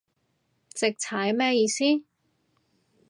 直踩咩意思